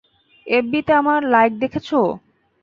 এফবিতে আমার লাইক দেখেছ?